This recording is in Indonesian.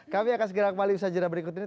kami akan segera kembali usaha jadwal berikut ini